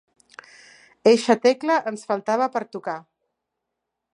Eixa tecla ens faltava per tocar.